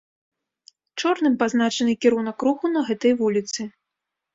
Чорным пазначаны кірунак руху на гэтай вуліцы.